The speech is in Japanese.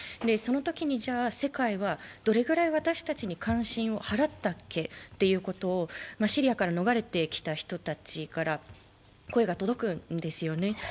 そのときに世界はどれくらい私たちに関心を払ったっけということをシリアから逃れてきた人たちから声が届くんですよね。